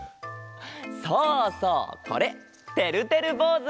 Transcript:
そうそうこれてるてるぼうず！